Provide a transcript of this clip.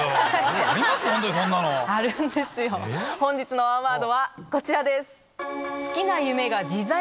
本日のワンワードはこちらです。